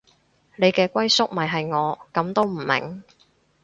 你嘅歸宿咪係我，噉都唔明